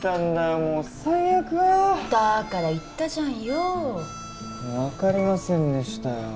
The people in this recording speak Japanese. もう最悪だから言ったじゃんよ分かりませんでしたよ